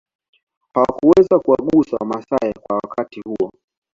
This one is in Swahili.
Hawakuweza kuwagusa wamasai kwa wakati huo